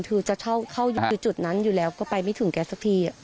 คือจะเข้าอยู่จุดนั้นอยู่แล้วก็ไปไม่ถึงแกสักที